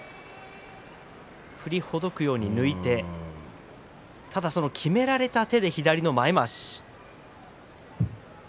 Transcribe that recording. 振りほどくように抜いてただきめられた手で左の前まわし。